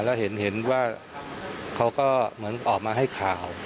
แล้วเห็นว่าเขาก็เหมือนออกมาให้ข่าว